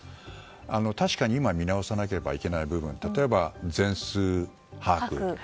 確かに今見直さなければいけない部分例えば全数把握。